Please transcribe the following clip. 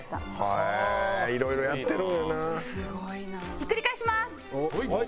ひっくり返します。